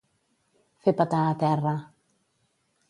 Fer petar a terra.